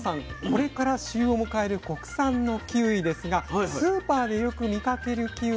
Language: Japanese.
これから旬を迎える国産のキウイですがスーパーでよく見かけるキウイといいますと。